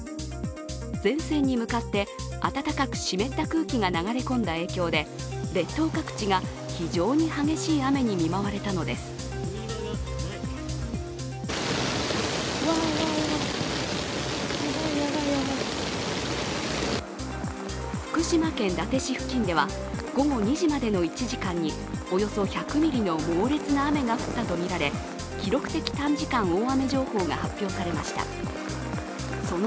前線に向かって暖かく湿った空気が流れ込んだ影響で列島各地が非常に激しい雨に見舞われたのです福島県伊達市付近では午後２時までの１時間におよそ１００ミリの猛烈な雨が降ったとみられ、記録的短時間大雨情報が発表されました。